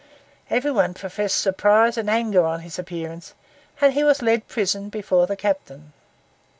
Every one professed surprise and anger on his appearance, and he was led prison before the captain.